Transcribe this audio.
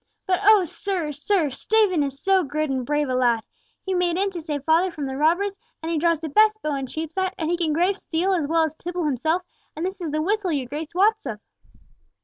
But oh, Sir, Sir! Stephen is so good and brave a lad! He made in to save father from the robbers, and he draws the best bow in Cheapside, and he can grave steel as well as Tibble himself, and this is the whistle your Grace wots of."